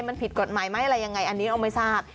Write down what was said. มันผิดกฎหมายไหมอะไรยังไงอันนี้เราไม่ทราบ